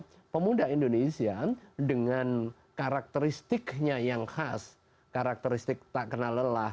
karena pemuda indonesia dengan karakteristiknya yang khas karakteristik tak kena lelah